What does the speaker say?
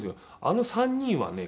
あの３人はね